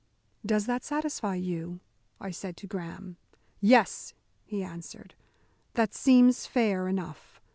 "Does that satisfy you?" I said to Graham. "Yes," he answered, "that seems fair enough.